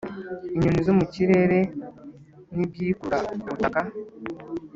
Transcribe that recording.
inyoni zo mu kirere n’ibyikurura ku butaka;